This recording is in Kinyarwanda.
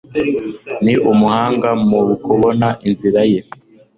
Ni umuhanga mu kubona inzira ye.